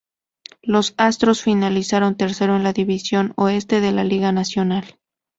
Los Astros finalizaron tercero en la división Oeste de la Liga Nacional.